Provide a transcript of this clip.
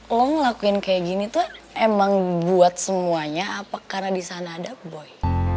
lo ngelakuin kayak gini tuh emang buat semuanya apa karena di sana ada boy